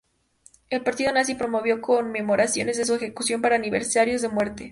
El partido nazi promovió conmemoraciones de su ejecución cada aniversario de su muerte.